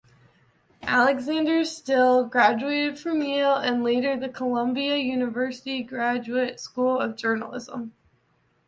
Alexander Stille graduated from Yale and later the Columbia University Graduate School of Journalism.